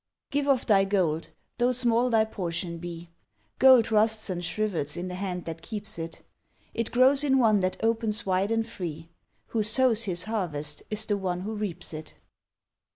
Give of thy gold, though small thy portion be. Gold rusts and shrivels in the hand that keeps it. It grows in one that opens wide and free. Who sows his harvest is the one who reaps it.